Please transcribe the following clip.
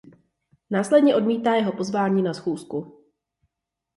Následně odmítá jeho pozvání na schůzku.